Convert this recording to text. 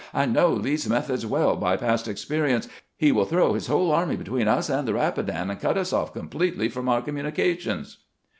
I know Lee's methods well by past experience ; he will throw his whole army between us and the Eapidan, and cut us off completely from our 70 CAMPAIGNING WITH GRANT communications."